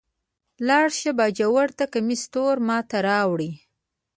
لاړ شه باجوړ ته کمیس تور ما ته راوړئ.